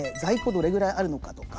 どれぐらいあるのかとか